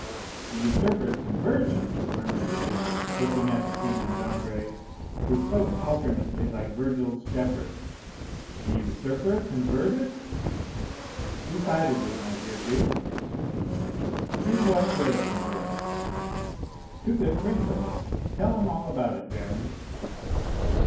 "The usurper's conversion!" murmured the duke, looking at the king and Dandré, who spoke alternately, like Virgil's shepherds. "The usurper converted!" "Decidedly, my dear duke." "In what way converted?" "To good principles. Tell him all about it, baron."